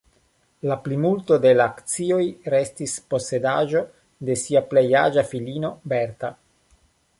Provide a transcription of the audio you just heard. La plimulto de la akcioj restis posedaĵo de sia plej aĝa filino Bertha.